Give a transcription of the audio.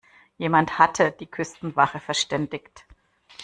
Jemand hatte die Küstenwache verständigt.